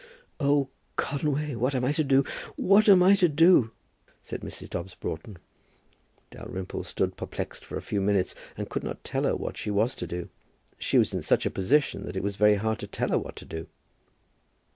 "Oh, Conway, what am I to do? what am I to do?" said Mrs. Dobbs Broughton. Dalrymple stood perplexed for a few minutes, and could not tell her what she was to do. She was in such a position that it was very hard to tell her what to do.